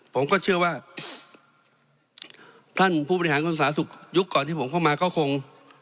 ผมก็เชื่อว่าท่านผู้บริหารคนสาธารณสุขยุคก่อนที่ผมเข้ามาก็คง